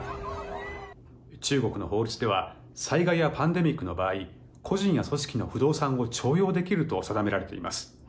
中国の法律では災害やパンデミックの場合個人や組織の不動産を徴用できると定められています。